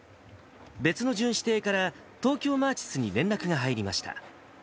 別の巡視艇から、東京マーチスに連絡が入りました。